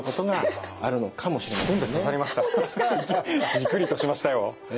ギクリとしましたよ。